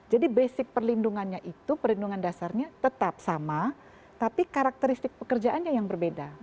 jadi basic perlindungannya itu perlindungan dasarnya tetap sama tapi karakteristik pekerjaannya yang berbeda